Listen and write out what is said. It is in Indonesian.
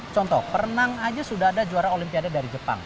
contoh perenang saja sudah ada juara olimpiade dari jepang